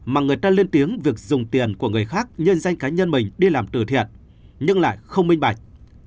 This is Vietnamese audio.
mà người ta lên tiếng việc dùng tiền của người khác nhân danh cá nhân mình đi làm từ thiện nhưng lại không minh bạch